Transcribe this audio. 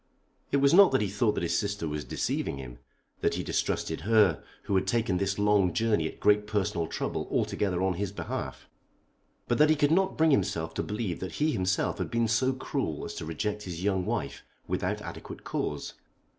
It was not that he thought that his sister was deceiving him, that he distrusted her who had taken this long journey at great personal trouble altogether on his behalf; but that he could not bring himself to believe that he himself had been so cruel as to reject his young wife without adequate cause.